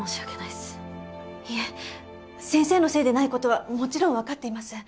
いえ先生のせいでない事はもちろんわかっています。